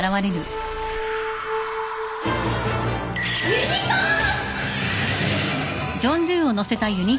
ユニコーン！